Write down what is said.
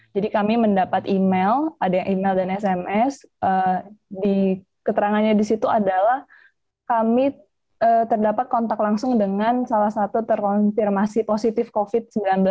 jadi kami mendapat email ada email dan sms keterangannya di situ adalah kami terdapat kontak langsung dengan salah satu terkonfirmasi positif covid sembilan belas